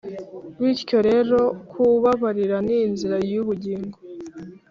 bityo rero kubabarira ni inzira yubugingo